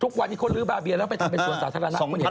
ทุกวันนี้คนลื้อบาเบียแล้วไปทำเป็นสวนสาธารณะเขาเห็น